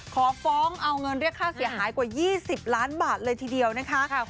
ขอฟ้องเอาเงินเรียกค่าเสียหายกว่า๒๐ล้านบาทเลยทีเดียวนะคะ